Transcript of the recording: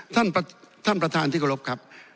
ท่านประธานที่เคารพครับ